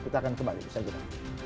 kita akan kembali besok juga